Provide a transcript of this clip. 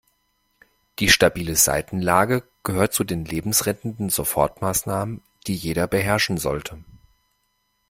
Die stabile Seitenlage gehört zu den lebensrettenden Sofortmaßnahmen, die jeder beherrschen sollte.